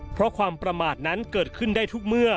เพราะความประมาทนั้นเกิดขึ้นได้ทุกเมื่อ